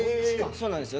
そうなんですよ。